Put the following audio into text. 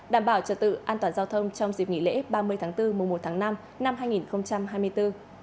đảm bảo trật tự an toàn giao thông trong dịp nghỉ lễ ba mươi tháng bốn mùa một tháng năm năm hai nghìn hai mươi bốn